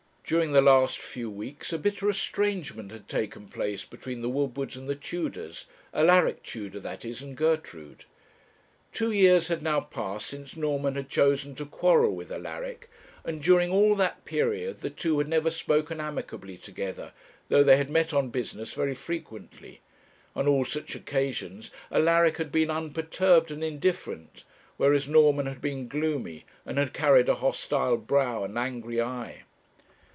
During the last few weeks a bitter estrangement had taken place between the Woodwards and the Tudors, Alaric Tudor, that is, and Gertrude. Two years had now passed since Norman had chosen to quarrel with Alaric, and during all that period the two had never spoken amicably together, though they had met on business very frequently; on all such occasions Alaric had been unperturbed and indifferent, whereas Norman had been gloomy, and had carried a hostile brow and angry eye.